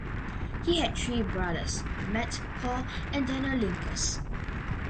He had three brothers: Matt, Paul, and Daniel Linkous.